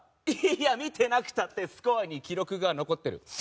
いーや、見てくれなくたってスコアに記録が残ってる！